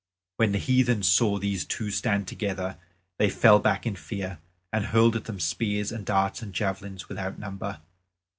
When the heathen saw these two stand together they fell back in fear and hurled at them spears and darts and javelins without number.